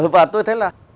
và tôi thấy là